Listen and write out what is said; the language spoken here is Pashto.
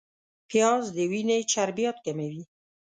پیاز د وینې چربیات کموي